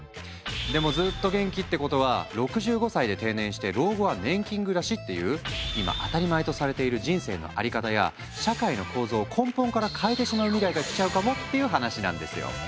でもずっと元気ってことは６５歳で定年して老後は年金暮らしっていう今当たり前とされている人生の在り方や社会の構造を根本から変えてしまう未来が来ちゃうかもっていう話なんですよ！